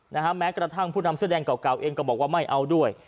แม้กระทั่งผู้นำเสื้อแดงเก่าเก่าเองก็บอกว่าไม่เอาด้วย